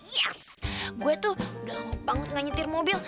yes gue tuh udah lompat nge nyetir mobil